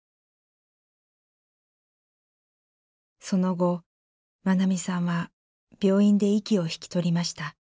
その後愛美さんは病院で息を引き取りました。